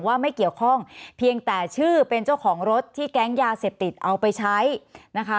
ว่าไม่เกี่ยวข้องเพียงแต่ชื่อเป็นเจ้าของรถที่แก๊งยาเสพติดเอาไปใช้นะคะ